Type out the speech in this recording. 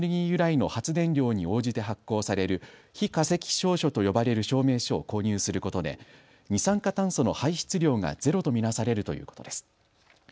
由来の発電量に応じて発行される非化石証書と呼ばれる証明書を購入することで二酸化炭素の排出量がゼロと見なされるということです。